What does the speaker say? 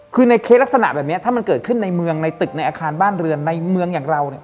คือในเคสลักษณะแบบนี้ถ้ามันเกิดขึ้นในเมืองในตึกในอาคารบ้านเรือนในเมืองอย่างเราเนี่ย